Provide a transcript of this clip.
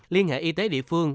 liên hệ y tế địa phương